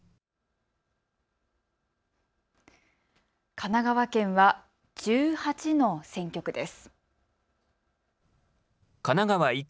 神奈川県は１８の選挙区です。